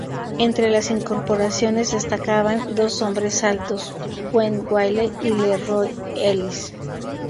Entre las incorporaciones, destacaban dos hombres altos, Gene Wiley y LeRoy Ellis.